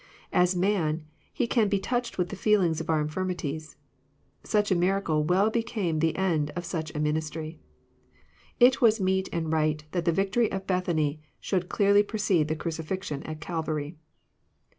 As man, He can be touched with the feelings of our infirmi ties. — Such a miracle well became the end of such a min istry. It was meet and right that the victoiy of Bethany should closely precede the cracifixion at Calvary.